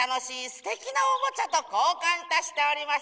すてきなおもちゃとこうかんいたしております。